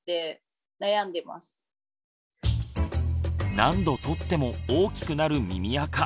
何度取っても大きくなる耳あか